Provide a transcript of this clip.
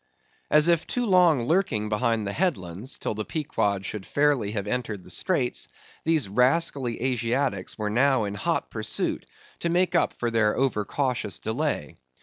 As if too long lurking behind the headlands, till the Pequod should fairly have entered the straits, these rascally Asiatics were now in hot pursuit, to make up for their over cautious delay.